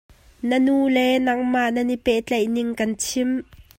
Na nu le nangmah nan i pehtlaihning kan chim.